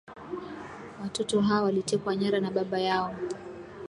watoto ha walitekwa nyara na baba yao